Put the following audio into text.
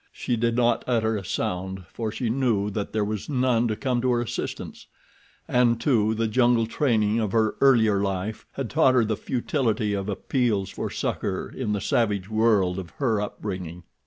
She did not utter a sound for she knew that there was none to come to her assistance, and, too, the jungle training of her earlier life had taught her the futility of appeals for succor in the savage world of her up bringing.